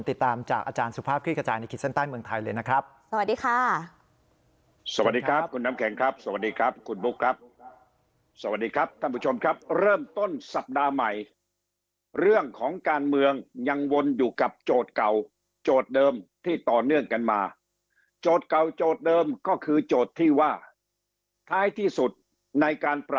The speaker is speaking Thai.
ติดตามจากอาจารย์สุภาพคลิกกระจายในคิดสั้นต้านเมืองไทย